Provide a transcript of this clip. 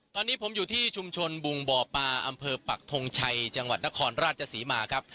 ตอนนี้ผมอยู่ที่ชุมชนบุงบ่อปลาอำเภอปักทงชัยจังหวัดนครราชศรีมาครับ